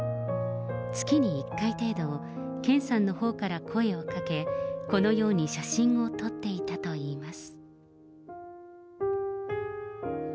月に１回程度、健さんのほうから声をかけ、このように写真を撮っていたといいます。